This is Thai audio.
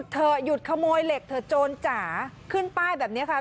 หยุดขโมยเหล็กเถอะโจรจ๋าขึ้นป้ายแบบนี้ค่ะ